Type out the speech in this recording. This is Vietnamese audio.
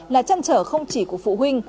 là chăn trở không chỉ của phụ huynh